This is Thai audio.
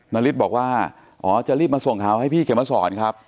นาริสบอกว่าอ๋อจะรีบมาส่งข่าวให้พี่เขมสอนครับ